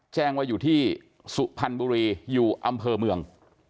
แจ้งว่าอยู่ที่สุพรรณบุรีอยู่อำเภอเมือง